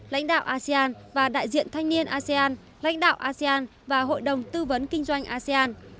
lãnh đạo asean và đại diện thanh niên asean lãnh đạo asean và hội đồng tư vấn kinh doanh asean